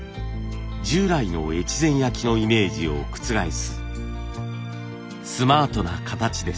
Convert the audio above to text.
従来の越前焼のイメージを覆すスマートな形です。